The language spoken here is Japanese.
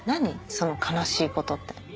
その悲しいことって。